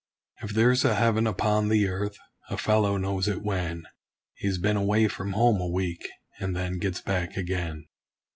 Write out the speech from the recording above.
If there's a heaven upon the earth, a fellow knows it when He's been away from home a week, and then gets back again.